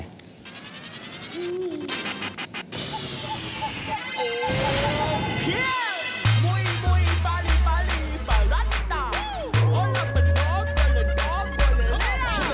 เอาล่ะไปยอดก่อนยอดก่อน